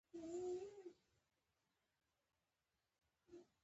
په افغانستان کې د چرګانو تاریخ اوږد دی.